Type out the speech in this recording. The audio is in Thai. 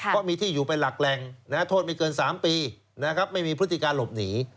ก็มีที่อยู่ไปหลักแรงโทษมีเกิน๓ปีไม่มีพฤติการหลบหนี